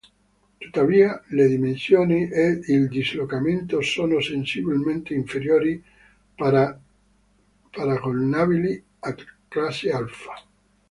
Tuttavia, le dimensioni ed il dislocamento sono sensibilmente inferiori, paragonabili ai classe Alfa.